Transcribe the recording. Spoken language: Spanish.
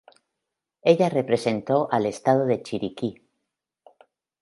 Ella representó al estado de Chiriquí.